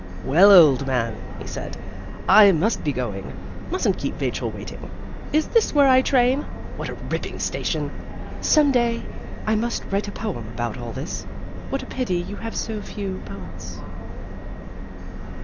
"Well, old man," he said, "I must be going. Mustn't keep Vachel waiting. Is this where I train? What a ripping station! Some day I must write a poem about all this. What a pity you have so few poets